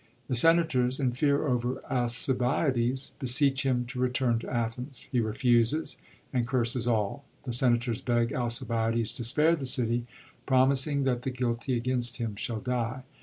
The senators, in fear over Alcibiades, beseech him to return to Athens. He refuses, and curses all. The senators beg Alcibiades to spare the city, promising that the guilty against him shall die.